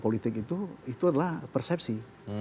politik itu adalah persepsi